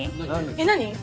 えっ何？